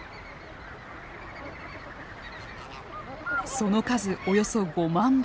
その数およそ５万羽。